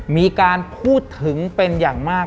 มีการพูดถึงเป็นอย่างมาก